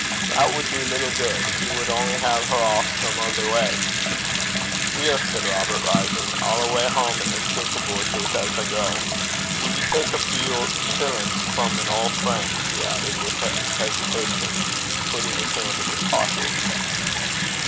'That wad do little guid. He wad only hae her aff some ither gait.' 'Weel,' said Robert, rising, 'I'll awa' hame, an' think aboot it as I gang. Wad ye tak a feow shillin's frae an auld frien'?' he added with hesitation, putting his hand in his pocket.